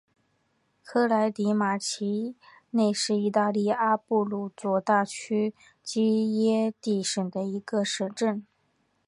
科莱迪马奇内是意大利阿布鲁佐大区基耶蒂省的一个镇。